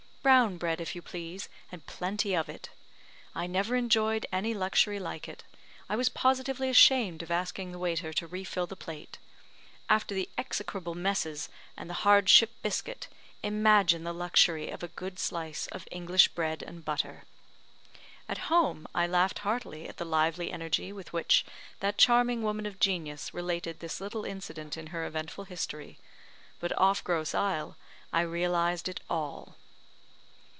'Brown bread, if you please, and plenty of it.' I never enjoyed any luxury like it. I was positively ashamed of asking the waiter to refill the plate. After the execrable messes, and the hard ship biscuit, imagine the luxury of a good slice of English bread and butter!" At home, I laughed heartily at the lively energy with which that charming woman of genius related this little incident in her eventful history but off Grosse Isle, I realised it all.